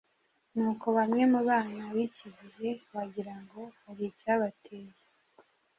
Ni uko bamwe mu bana b’iki gihe wagira ngo hari icyabateye!